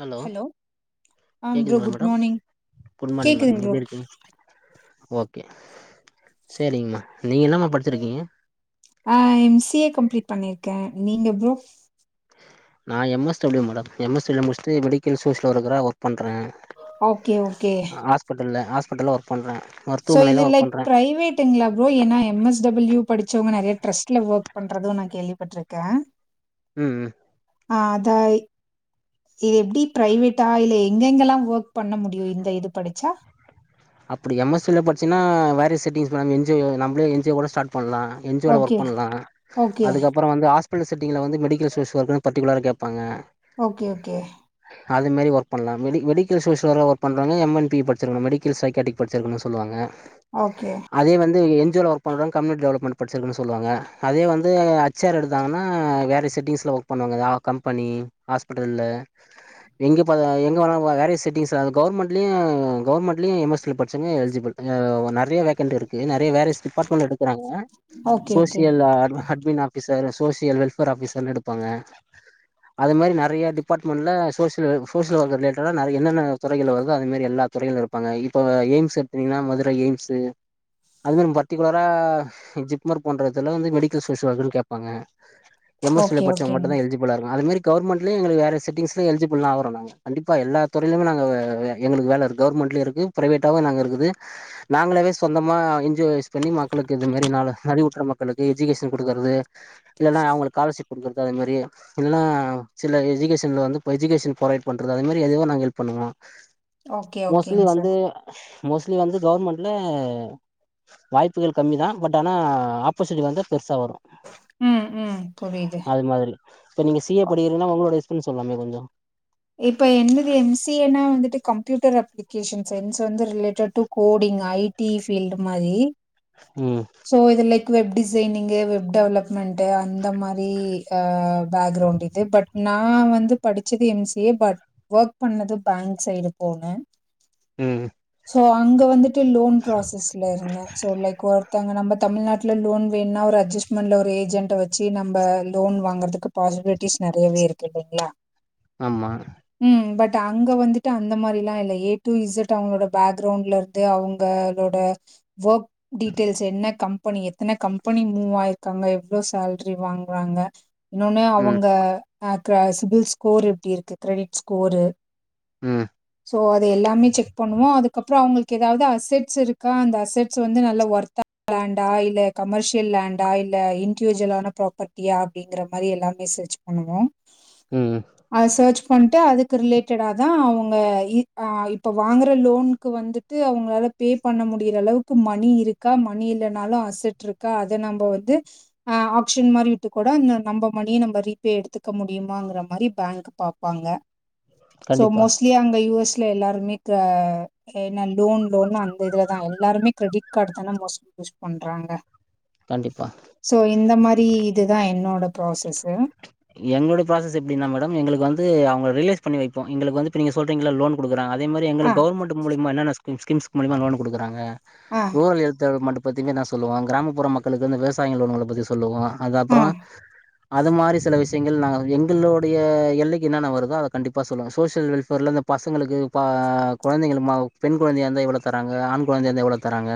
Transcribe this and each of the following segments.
Hello ஆ bro கேக்குதுங்ளா good madam morning good மானிங் கேக்குதுங் மேடம் ப்ரோ எப்டி இருக்கிங் ஓகே சரிங்மா நீங்க என்னம்மா படிச்சிருக்கீங்க ஆ எம்சிஏ கம்ப்ளீட் பண்ணிருக்கே நீங்க ப்ரோ நா M S W madam M S W முடிச்ட்டு மெடிக்கல் சோஷில இருக்கிற ஒர்க் பண்றே ஓகே ஓகே ஹாஸ்பிடல்ல ஹாஸ்பிடல்ல ஒர்க் பண்ற சோ இதுல பிரைவேட் டுங்ளா ப்ரோ ஏன்னா எம் எஸ் டபிள்யூ படிச்சவங்க நெறய ட்ரஸ்ட்ல ஒர்க் பண்றது நா கேள்விபட்ருக்கே ம் ம் ஆ அதாய் எப்டி பிரைவேட்டா இல்ல எங்கெங்கெல்லா ஒர்க் பண்ண முடியு இந்த இது படிச்சா அப்டி எம் எஸ் சி ல படிச்சினா வேரிஸ் செட்டிங்ஸ் வாங்கி என்ஜி நம்ளே என்ஜி ஓட ஸ்டார்ட் பண்லா என்ஜிஓல ஓகே ஒர்க் பண்லா ஓகே அதுக்கப் அப்ற வந்து ஹாஸ்பெடல் சிட்டிங் ல வந்து மெடிக்கல் செஸ் ஒர்குனு பர்டிகுலரா கேப்பாங்க ஓகே ஓகே அதுமாரி ஒர்க் பண்லா மெடி மெடிக்கல் சோர்ஸ்ல ஒர்க் பண்றங்க எம் என் பி படிச்சிருக்கனு மெடி கில் சைக்காட்டிக் படிச்சிருக்கனு சொல்லுவாங்க ஓகே அதே வந்து என்ஜிஓல ஒர்க் பண்றங்க கம்யூனிட்டி டெவலப்மண்ட் படிச்சிருக்குனு சொல்லுவாங்க அதே வந்து ச்சர் எடுத்தாங்கன்னா வேற செட்டிங்ஸ்ல ஒர்க் பண்ணுவாங்க எதா கம்பனி ஹாஸ்பிட்டலு எங்க பாத் எங்க வேணாலு வேறைய செட்டிங்ஸ் அது கவர்மெண்ட்லயு கவர்மெண்ட் லியு எம் எஸ் ல படிச்சவங்க எலிஜிபிள் அ நெறைய வேக்கண்ட் இருக்கு நெறைய வேறஸ் டிபார்ட்மெண்ட் எடுக் குறாங்க ஓகே ஓகே சோசியல் ஆர்வ அட்மின் ஆபீசர் சோசியல் வெல்ஃபேர் ஆஃபிசர்னு எடுப்பாங்க அதே மாரி நெறய டிபார்ட்மெண்ட்ல சோசியல் சோசியல் ஒர்க் ரிலேட்டடா நெற என்னென்ன துறைகள் வருது அது மாரி எல்லா துறைகளு இருப்பாங்க இப்போ எய்ம்ஸ் எடுத்தனீங்கன்னா மதுர எய்ம்ஸு அதுவு பர்டிகுலரா ஜிப்மர் போன்ற இதல வந்து மெடிக்கல் செஸ்வாகுன் கேப்பாங்க எம் ஓகே எஸ்லப் பட்ச்சவங்க ஓகேங்க மட்டுந்தா எல்ஜிப் போலருங்க அது மேரி கவுர்மெண்ட்லியு எங்களுகு வேற செட்டிங்ஸ்சு எல்ஜிபில் ஆவறோ நாங்க கண்டிப்பா எல்லாத் துறையிலுமே நாங்க எங்களுக்கு வேலருக் கவுர்மெண்ட் ட்லியு இருக்கு பிரைவேட்டாவு நாங்க இருக்குது நாங்களாவே சொந்தமா என்ஜியோஸ் பண்ணி மக்களுக்கு இது மேரி நாலு நளிவுற்ற மக்களுக்கு எஜுகேஷன் குடுக்குறது இல்லனா அவுங்களுக் காலர்ஷிப் குடுக்குறது அது மேரி இல்னா சில எஜுகேஷன்ல வந்து இப்ப எஜுகேஷன் பொரவைட் பண்றது அது மேரி எதுவு நாங்க ஹெல்ப் பண்ணுவோ ஓகே மோஸ்ட்லி ஓகேங்க வந்து சார் மோஸ்ட்லி வந்து கவுர்மெண்ட்ல வாய்ப்புகள் கம்மிதா பட் ஆனா ஆப்போசிட் வந்து பெருசா வரு ம் ம் புரிது இம் மாதிரி இப்ப நீங்க சி ஏப் படிகிறிங்கனா ஒங்களோட இஸ்டம் சொல்லாமே கொஞ்சொ இப்ப என்னுது எம் சி ஏ னா வந்துட்டு கம்ப்யூட்டர் அப்ளிகேஷன் சைன்ஸ் வந்து related to coding IT field மாரி ம் தோ இது லெக் வெப் டிசைனிங்கு வெப் டெவலப்மெண்ட்டு அந்த மாரி ஃபே பேக்ரவுண்ட்டு இது பட் நா வந்து படிச்சது M C A but work பண்ணது பேங்க் சைடுப் போனே ம் சோ அங்க வந்துட்டு லோன் ப்ராசஸ்ல இருந்தே சோ லைக் ஒர்க் தாங்க நம்பத் தமிழ்நாட்ல லோன் வேண்னா ஒரு அட்ஜஸ்ட்மெண்ட்ல ஒரு ஏஜெண்ட வச்சி நம்ப லோன் வாங்கறதுக்குப் பாசிபிலிட்டிஸ் நெறையவே இருக்கு இல்லைங்ளா ஆமா ம் பட் அங்க வந்துட்டு அந்த மாரிலா இல்ல ஏ டூ இசட் அவுங்ளோட பேக்ரவுண்ட்லருக் ட்டு அவுங்களோட வோர்க் டீட்டெயில்ஸ் என்ன கம்பெனி எத்தன கம்பெனி மூவ் ஆயிருக்காங்க எவ்ளோ சேல்ரி வாங்றாங்க இன்னொனே ம் அவங்க அ க சிபில்ஸ் ஸ்கோர் எப்டி இருக்கு கிரெடிட்ஸ் ஸ்கோரு ம் சோ அது எல்லாமே செக் பண்ணுவோ அதுக்கப்ற அவுங்கள்க்கு எதாவ்து அசெட்ஸ் இருக்கா அந்த அசெட்ஸ் வந்து நல்லா ஒர்த்தா லேண்டா இல்ல கமர்ஷியல் லேண்டா இல்ல இண்டிவிஜுவலான பிராப்பர்டியா அப்டிங்கிற மாரி எல்லாமே சர்ச்ப் வணக்கோ ம் ம் அத சர்ச் பண்ட்டு அதுக்கு ரிலேட்டடாதா அவுங்க இப் அ இப்ப வாங்கற லோன்க்கு வந்துட் து அவுங்களாலப் பேப் பண்ண முடியிற அளவுக்கு மணி இருக்கா மணி இல்லனாலு அசட்ருக்கா அத நம்ம வந்து அ ஆப்ஷன் மாரி விட்டு கூட இந்த நம்ப மணிய நம்ப ரீப்பே எடுத்துக்க முடியுமாங்கற மாரிப் பேங்க் பாப்பாங்க சோ கண்டிப்பா மோஸ்ட்லி அங்க யு எஸ்ல எல்லாருமே க ஏன்னா லோன் லோன்னு அந்த இதுலதா எல்லாருமே கிரெடிட் கார்டு தான மோஸ்ட் யூஸ் பண்றாங்க கண்டிப்பா சோ இந்த மாரி இதுதா என்னோடப் ப்ராசஸ்சு எங்ளோடப் ப்ராசஸ் எப்டினா மேடம் எங்களுக்கு வந்து அவுங்க ரிலைஸ் பண்ணி வைப்போ எங்களுக்கு வந்து இப்ப நீங்க சொல்றீங்கள லோன் குடுகறாங்க அதேம் மாரி அ, எங்களுக் கவுர்மெண்ட்டு மூலியமா என்னெனஸ் ஸ்கின்ஸ் மூலியமா லோனு குடுகறாங்க அ, ரூரல் ஹெல்த்த மட்டும் பத்தினா என்னாச் சொல்லுவாங் கிராமப்புற மக்களுக்கு வந்து விவசாயிங்க லோனுங்கலப் பத்திச் சொல்லுவோ அது அ, அப்றோ அது மாரி சில விஷ்யங்கள் நாங்க வந்து எங்களோடைய எல்லைக்கு என்னானா வருதோ அத கண்டிப்பா சொல்லுவே சோஷியல் வெல்ஃபேர்ல இந்தப் பசங்களுக்கு பா கொழந்தைங்களு மாவ் பெண் கொழந்தையா இந்தா எவ்ளோ தராங்க ஆண் கொழந்தையா இந்தா எவ்ளோ தராங்க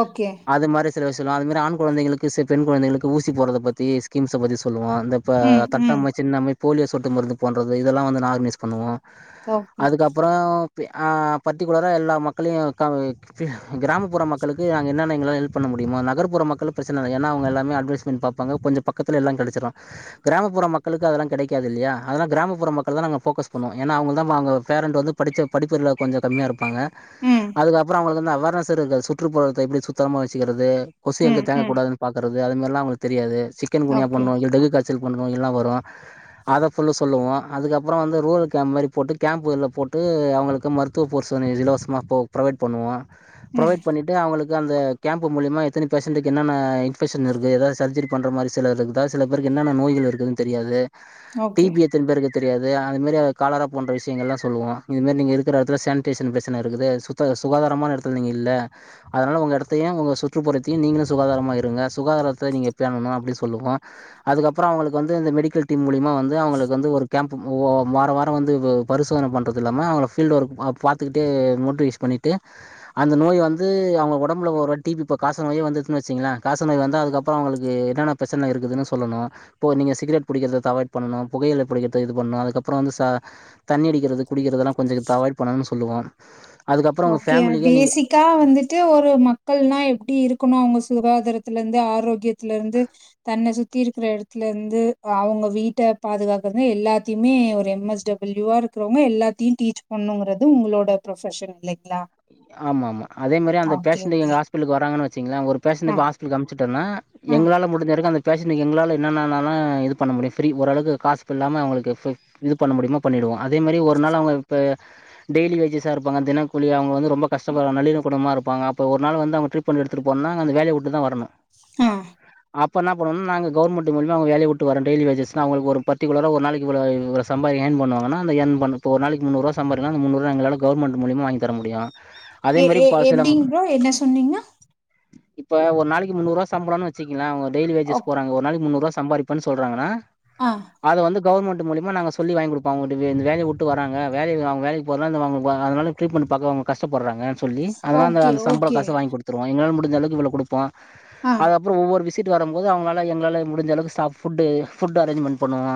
ஓகே அது மாரி சில விஷ் சொல்லுவ அது மாரி ஆண் குழந்தைங்களுக்கு செப் பெண் குழந்தைகளுக்கு ஊசி போர்றதப் பத்தி ஸ்கின்ஸ்சப் பத்தி சொல்லுவோ இந்தப் இப்ப ம், ம். தட்டம்மை சின்னம்மை போலியோ சொட்டு மருந்து போன்றது இதெல்லா வந்து ஆர்கனைஸ் பண்ணுவோ ஓகே. அதுக்கப்பற பி ஆ பர்டிகுலரா எல்லா மக்களையு கா ஃபில் கிராமப்புற மக்களுக்கு நாங்க என்னென்ன எங்களால ஹெல்ப் பண்ண முடியுமோ நகர்புற மக்களு பிரச்சன இல்ல ஏனா அவுங்க எல்லாமே அட்வடைஸ்மென்ட் பாப் பாங்க கொஞ்ச பக்கத்துல எல்லா கெடச்சுரு கிராமப்புற மக்களுக்கு அதெல்லா கெடைக்காது இல்லயா அதெல்லா கிராமப்புற மக்கள் தா நாங்க ஃபோக்கஸ் பண்ணுவோ ஏனா அவுங்கள் தா வா அங்க பேரண்ட் வந்து படுச்ச படிப்புள்ள கொஞ்ச கம்மியா இருப்பாங்க ம். அதுக்கப்புற அவுங்களுக்கு வந்து அவேர்னஸ் இருக்காது சுற்றுப்புறத்த எப்டி சுத்தமா வச்சுக்கிறது கொசு எங்க ம், தேங்க ம். கூடாதுனு பாக்குறது அது மாரிலா அவுங்களுக்கு தெரியாது சிக்கன் குனியா ஓகே. ல் டெகு காச்சல் போன்ற நோய்கள் எல்லா வரு அதை ஃபுல்லு சொல்லுவோ அதுக்கப்புற வந்து ரூரு கேம்ப் மாரி போட்டு கேம்புகல்ல போட்டு அவுங்களுக்கு மரு [unintelligible] இலவசமா போ புரொவைட் பண்ணுவோ ம். புரொவைட் பண்ணி டு அவுங்களுக்கு அந்த கேம்பு மூலியமா எத்தன பேஷன்டுக்கு என்ன என்ன இன்பஷன் இருக்கு ஏதாது சர்ஜரி பண்ற மாரி சிலரு தா சில பேருக்கு என்னென்ன நோய்கள் இருக்குதுனு தெரியாது டி ஓகே. பி எத் த்தின் பேருக்கு தெரியாது அது மாரி காலரா போன்ற விஷயங்கள் எல்லா சொல்லுவோ இது மாறி நீங்க இருக்குற எடத்துல சேனிடேஷன் பிரச்சன இருக்குது சுத் த சுகாதாரமான எடத்துல நீங்க இல்ல அதனால ஒங்க எடத்தையு ஒங்க சுற்றுப்புறத்தயு நீங்களு சுகாதாரமா இருங்க சுகாதாரத்த நீங்க பேணணு அப்டி சொல்லுவோ அதுக்கப்புற அவுங்களுக்கு வந்து இந்த மெடிக்கல் டீம் மூலியமா வந்து அவுங்களுக்கு வந்து ஒரு கேம்பு ஓ வார வார வந்து வ பரிசோதன பண்ணுறது இல்லாம அவுங்கள ஃபீல்டு ஒர்க் பாத்துக்கிட்டே மோட்டிவேஷ் பண்ணிட்டு அந்த நோய் வந்து அவுங்க ஒடம்பல ஒரு டிபி இப்ப காச நோயே வந்துச்சுன்னு வச்சுங்களே காச நோய் வந்தா அதுக்கப் ப்ப அவுங்களுக்கு என்னன்ன பிரச்சன இருக் இதுனு சொல்லணு இப்போ நீங்க சிகரெட் புடிக்கிறத தவாய்ட் பண்ணணு புகையில புடிக்கிறத இது பண்ணணு அதுக்கப்புற வந்து ச தண்ணி அடிக்கிறது குடிக்கிறது எல்லா கொஞ்ச தவாய்ட் பண்ணணும்னு சொல்லுவோம் அதுக்கப்புற உங்க பேமிலிக்கே நீங்க க வந்துட்டு ஒரு மக்கள்னா எப்டி இருக்கணு அவுங்க சுகாதாரத்துல இருந்து ஆரோக்கிய த்துல இருந்து தன்ன சுத் த்தி இருக்கிற எடத்துல இருந்து அவுங்க வீட்ட பாதுகாக்கறதுனு எல்லாத்தையுமே ஒரு எம் எஸ் டபிள்யூ ஆர் க்கறவுங்க எல்லாத்தையு டீச் பண்ணுங்குறது ஒங்களோட ப்ரொபஷன் இல்லைங்ளா ஆமா ஆமா அதே மாரி அந்த பேஷண்டு ஓகே. எங்க ஹாஸ்பலுக்கு வராங்கன்னு வச்சீங்களே ஒரு பேஷண்டு அ, இப்போ ஆஸ் பிலுக்கு அமிச்சுட்டோனா அ, எங்களால முடிஞ்ச அரைக்கு அந்த பேஷண்டக்கு எங்களால என்னென்னனாலு இது பண்ண முடியு ஃப்ரீ ஓரளவுக்கு காசு ப இல்லாம அவுங்களுக்கு ஃபி இது பண்ண முடியுமா பண்ணிடுவோ அதே மாரி ஒரு நாள் அவுங்க இப்ப டெய்லி வேஜஸ் ஆ இருப்பாங்க தினக்கூலி அவுங்க வந்து ரொ ரொம்ப கஷ்டப்படு [unintelligible] குடமாக இருப்பாங்க அப்ப ஒரு நாள் வந்து அவுங்க ட்ரீப்மெனட் எடுத்துட்டு போனா அந்த வேலைய விட்டு தா வரனு ஆ அப்ப என்ன பண்ணணு நாங்க கவுர்மெண்ட் மூலிமா அவுங் வேலைய விட்டு வர டெய்லி வேஜஸ் லா அவுங்களுக் ஒரு பர்டிகுலரா ஒரு நாளைக்கு இவளோ இவளோ சம்பார் யேன் பண்ணுவாங்கனா அந்த யேன் பன் இப்போ ஒரு நாளைக்கு முன்நூறுவா சம்பார்ங்கா அந்த முன்நூறுவா எங்களால கவர்மென்ட் மூலிமா வாங்கி தர முடியு அதே எ மாரி எ ப சில எப்டிங் ப்ரோ என்ன சொன்னீங்க இப்ப ஒரு நாளைக்கு முன்நூறுபா சம்பளம்னு வச்சுங்ளே அவுங்க டெய்லி வேஜஸ் ஓக் போறங்க ஒரு நாளைக்கு முன்நூறுபா சம்பாரிப் ப்பன் சொல்றாங்கனா ஆ அத வந்து கவர்மெண்டு மூலிமா நாங்க சொல்லி வாங்கி குடுப்போ அவுங்க இப்டி வே இந்த வேலய விட்டு வர்றாங்க வேலய அவுங்க வேலைக்கு [unintelligible] அதனால ட்ரீட்மென்ட் பாக்க கஷ்டப்படுறாங்க சொல்லி அதனா அந்த ஓகே, அந்த சம்பள ஓகே. காச வாங்கி கொடு த்துருவோ எங்களால முடிஞ்ச அளவுக்கு இவளோ குடுப்போ ஆ. அத ப்புற ஒவ்வொரு விசிட் வரும்போது அவுங்களால எங்களால முடிஞ்ச அளவுக்கு சா ஃபுட்டு ஃபுட்டு அரேஞ்மென்ட் பண்ணுவோ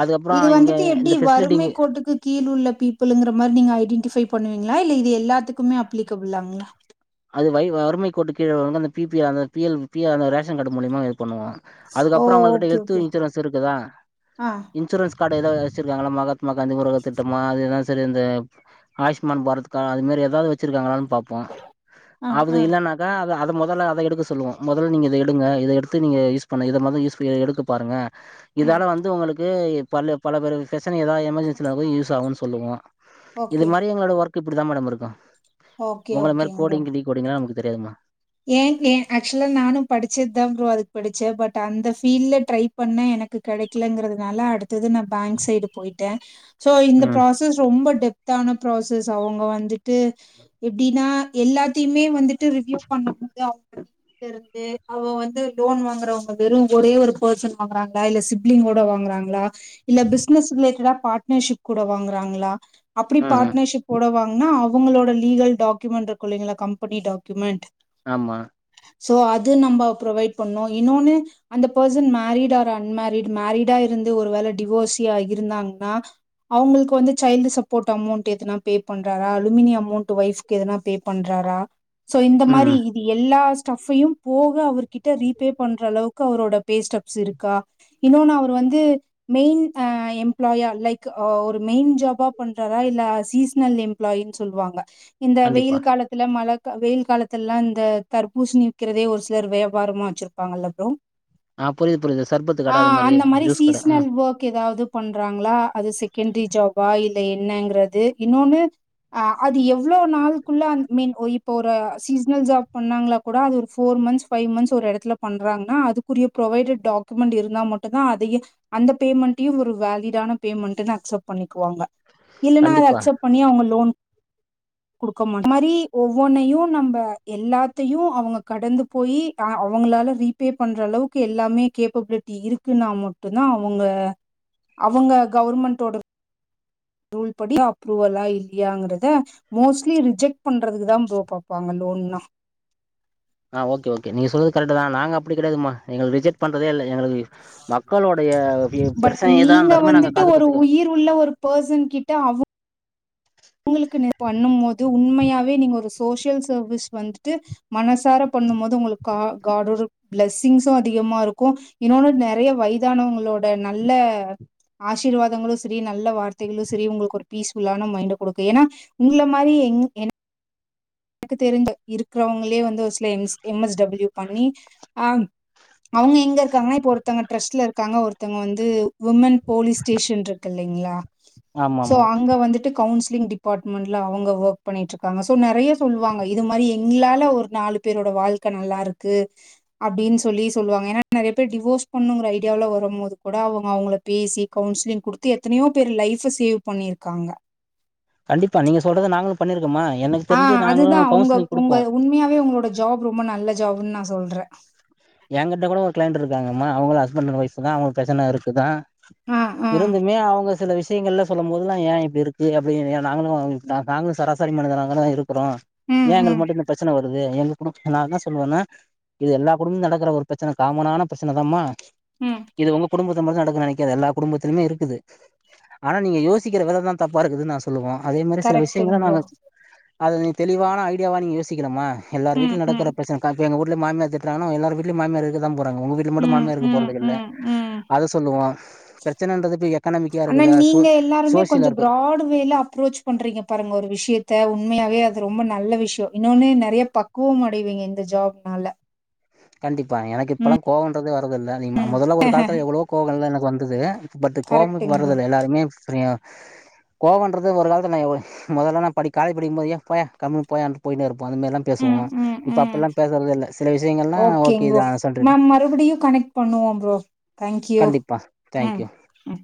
அதுக்கப்புற இது இங்க வந்துட்டு எப்டி இந்த ஃபெசிலிட்டி வறுமை கோட்டுக்கு கீழ் உள்ள பீப்புல்ங்கற மாரி நீங்க ஐடென்டிஃபை பண்ணுவீங்ளா இல்ல இது எல்லாத்துக்குமே அப்ளிக்கபுளாங்களா அது வை வறுமை கோட்டு கீழ உள்ளவுங்க அந்த பி பி ஆ அந்த பி எல் பி அந்த ரேஷன் கார்டு மூலியமா இது பண்ணுவோ ஓ அதுக்கப்பறோ அவுங்க கிட்ட ஓகே ஹெல்த் ஓகே இன்சூரன்ஸ் இருக்குதா ஆ இன்சூரன்ஸ் கார்டு எத வச்சிருக்காங்களா மக மா காந்தி முருக திட்டமா அதுஎல்லா சரி அந்த ஆயுஷ்மான் பாரத் கார்டு அதுமாரி ஏதாவது வச்சுருக்காங்களானு பாப்போ ஆ அவுது ஆ இல்லனாக் க அத அத மொதல்ல அத எடுக்க சொல்லுவோ மொதல் நீங்க இத எடுங்க இத எடுத்து நீங்க யூஸ் பண்ணு இத மொத யூஸ் ஃபுல இத எடுக்க பாருங்க ம் இதால வந்து உங்களுக்கு ப பல பேர் பெரசன ஏதாவது எமர்ஜென்சில ஆகுபோது யூஸ் ஆவுனு சொல்லுவோ இது ஓகே மாரி எங்களோட ஒர்க் இப்டிதா மேடம் இருக்கு ஓகே ஓகேங் ப்ரோ டிகோடிங்னா நமக்கு தெரியாதுமா ஏன் ஏ ஆக்சுவலா நானு படிச்சது தா ப்ரோ அதுக்கு படிச்சே பட் அந்த ஃபீல்ல ட்ரை பண்ணே எனக்கு கெடைக்கலங்கிறதுனால அடுத்தது நா பேங்க் சைடு போயிட்டே சோ இந்த ம் ப்ராஸ் சஸ் ரொம்ப டெப்தான ப்ராசஸ் அவுங்க வந்துட்டு எப்டினா எல்லாத்திமே வந்துட்டு ரிவ்யூ பண்ணு போது அவுங்க கிட்ட இருந்து ஏ அவ வந்து லோன் வாங்குறவுங்க வெறு ஒரே ஒரு பெர்சன் வாங்குறாங்களா இல்ல சிப்ளிங்க் ஓட வாங்குறாங்களா இல்ல பிசினஸ் ரிலேட்டடா பார்டனர்ஷிப் கூட வாங்றாங்களா அப்டி ம் ம் பார்ட்னர்ஷிப் போடவாங்னா அவுங்களோட லீகல் டாக்கியுமெண்ட் இருக்கு இல்லைங்களா கம்பெனி டாக்கியுமெண்ட் ஆமா சோ அது நம்ம ப்ரொவைட் பண்ணோ இன்னொனு அந்த பர்சன் மேரிடு ஆர் அன்மேரிடு மேரிடா இருந்து ஒரு வேள டிவோர்ஸியா இருந்தாங்னா அவுங்களுக்கு வந்து சைல்டு சப்போர்ட் அமௌண்ட் எதனா பே பண்றாரா அலுமினி அமௌண்ட் ஒய்ஃப் எதனா பே பண்றாரா சோ இந்த மா ம் இது எல்லா ஸ்டஃப்பையு போக அவர்கிட்ட ரீபே பண்ற அளவுக்கு அவரோட பே ஸ்டப்ஸ் இருக்கா இன்னொனு அவர் வந்து மெயின் அ எம்ப்ளாயா லைக் அ ஒரு மெயின் ஜாபா பண்றாரா இல்ல சீசனல் எம் ப்ளாயினு சொல்வாங்க இந்த வெயில் கண்டிப்பாக காலத்துல மழ கா வெயில் கால த்துல அந்த தர்பூசணி விக்கிறதே ஒரு சிலர் வியாபாரமா வச்சிருப்பாங்கல்ல ப்ரோ ஆ புரியுது புரியுது சர்பத்து ஆ கடை அது மாதிரி அந்த மாரி ஜூஸ் கடை சீசனல் ம் ஒர்க் ஏதாவ்து பண்றாங்களா அது செகண்டரி ஜாபா இல்ல என்னங்கறது இன்னொனு அ அது எவ்ளோ நாள்குள்ள அந் மீன் ஓ இப்போ ஒரு சீஸ் சனல் ஜாப் பண்ணாங்களா கூட அது ஒரு ஃபோர் மந்த்ஸ் ஃபைவ் மந்த்ஸ் ஒரு எடத்துல பண்றாங்னா அதுக்குரிய புரொவைடட் டாக் குமெண்ட் இருந்தா மட்டுதா அதயே அந்த பேமெண்ட்டையு ஒரு வேலிடான பேமெண்ட்ன்னு அக்செப்ட் பண்ணிக்குவாங்க இல்லனா அது கண்டிப்பா அக்செப்ட் பண்ணி அவுங்க லோன் குடுக்க மாட் அந்த மாரி ஒவ்வொன்னையு நம்ப எல்லாத்தையு அவுங்க கடந்து போய் அ அவுங்களால ரீபே பண்ணுற அளவுக்கு எல்லாமே கேப்பபிலிட்டி இரு க்குனா மட்டு தா அவுங்க அவுங்க கவுர்மெண்டோட ரூல் படி அப்ரூவலா இல்லீயாங்கறத மோஸ்ட்லி ரிஜெக்ட் பண்றதுகுதா ப்ரோ பாப்பாங்க லோன்னா ஆ ஓகேஓகே நீங்க சொல்றது கரெக்டு தா நாங்க அப்டி கெடையாதுமா எங்கள ரிஜெக்ட் பண்றதே இல்ல எங்களுக்கு மக்களுடைய பி பட் பெரச்சனயேதா நீங்க இருந்தாலுமே நாங்க வந்துட்டு காது ஒரு குத்துக்கே உயிர் உள்ள ஒரு பெர்சன் கிட்ட அவ்வு அவுங்களுக்குனு பண்ணு போது உண்மயாவே நீங்க ஒரு சோசியல் சர்வீஸ் வந்துட்டு மனசார பண்ணு போது உங்களுக்கு கா காடோட பிளஸ்ஸிங்ஸு அதிகமா இருக்கு இன்னொனு நெறைய வயதானவங்களோட நல்ல ஆசிர்வாதங்களு செரி நல்ல வார்த்தைகளு செரி உங்களுக்கு ஒரு பீஸ்ஃபுல்லான மைண்ட குடுக்கு ஏனா உங்கள மாரியே எங் எனக் எனக்கு தெரிந்து இருக்கறவங்களே வந்து ஒரு சில எம்ஸ் எம் எஸ் டபிள்யூ பண்ணி ஆ அவுங்க எங்க இருக்காங்கன்னா இப்ப ஒருத்தவங்க ட்ரஸ்ட்ல இருக்காங்க ஒருத்தங்க வந்து உமன் போலீஸ் ஸ்டேஷன் இருக்கு இல்லீங்களா ஆமா சோ ஆமா அங்க வந்துட்டு கவுன்சிலிங் டிப் பார்ட்மெண்ட்ல அவுங்க ஒர்க் பண்ணிட்டு இருக்காங்க சோ நெறைய சொல்லுவாங்க இது மாரி எங்களால ஒரு நாலு பேரோட வாழ்க்க நல்லாருக்கு அப்டின்னு சொல்லி சொல்லுவாங்க ஏன்னா நெறைய பேர் டிவோஸ் பண்ணுங்கிற ஐடியாவுல வரும்போது கூட அவங்க அவங்களுக் பேசி கவுன்சிலிங் குடுத்து எத்தனையோ பேர் லைஃப சேவ் பண்ணிருக்காங்க கண்டிப்பா நீங்க சொல்றது நாங்களு பண்ணிருக்கோம்மா எனக் ஆ அதுதா உங்க உங்க உண்மையாவே உங்களோட ஜாப் ரொம்ப நல்ல ஜாப்னு நா சொல்ற எங்கிட்ட கூட ஒரு கிளைண்ட் இருக்காங்கம்மா அவுங்களு ஹஸ்பண்ட் அண்ட் ஒய்ஃபு தா அவுங்க பிரச்சன இருக்குதா ஆ, ஆ. இருந்துமே அவுங்க சில விஷ் யங்கள்லா சொல்லும் போதுல்லா ஏ இப்டி இருக்கு அப்டி நாங்களு நா நாங்களு சராசரி மனிதனாகதா இருக் குறோ ஏ ம், ம், எங்களுக்கு மட்டு இந்த பிரச்சன வருது எங்க குடும்ப நா என்னா சொல்லுவேன்னா இது எல்லா குடும்ப நடக்கற ஒரு பிரச்சன காமனான பிரச்சன தாம்மா ம் இது உங்க குடும்பத்த மட்டு நடக்கு நெனைக்காத எல்லா குடும்பத்துலியுமே இருக்குது ஆனா நீங்க யோசிக்கிற வித தா தப்பா இருக்குதுன்னு நா சொல்லுவோ அதே மாரி சில கரெக்ட்டுங்க விஷயங்கள ப்ரோ. நாங்க அத நீ தெளிவான ஐடியாவா நீ யோசிக்கணும்மா எல்லார் ம், வீட்லயு ம். நடக்கற பிரச்சன [unintelligible] எங்க ஊட்ல மாமியார் திட்றாங்கன்னா எல்லார் வீட்லயு மாமியார் இருக்கதா போறாங்க உங்க வீட் ல மட்டு ம், மாமியார் இருக்கப் ம், போறது இல்ல ம், ம். அத சொல்லுவோ பிரச்சனன்றது இப்ப எக்கனாமிக்கா ஆனா இருக்குதா சோ நீங்க எல்லாருமே சோசியலா கொஞ்சம் இருக்கா பிராட் வேல அப்ரோச் பண்றீங்க பாருங்க ஒரு விஷியத்த உண்மையாவே அது ரொம்ப நல்ல விஷய இன்னொன்னு நெறைய பக் குவம் அடைவீங்க இந்த ஜாப்னால கண்டிப்பா எனக்கு இப்பெல்லா கோவன்றதே வர்றதில்ல அதிகமா மொதல்ல ஒரு காலத்துல எவ்வளவோ கோவங்கள்லா எனக்கு வந்தது பட்டு கோவமே இப்ப கரெக்ட்டுங் ப்ரோ. வர்றதில்ல எல்லாருமே புரியு கோவன்றது ஒரு காலத்துல நா எவ் மொதல்லல்லா படி காலேஜ் படிக்கும் போது யோவ் போயா கம்முன்னு போயான்ட்டு போயின்னே இருப்ப அதுமேர்லா ம், பேசுவோ இப்ப அப்பில்லா பேசுறதே இல்ல சில விஷ் ஓகே ப்ரோ நாம் மறுபடியு கனெக்ட் பண்ணுவோ ப்ரோ தேங்க்யூ கண்டிப்பா ம் தேங்க்யூ ம்.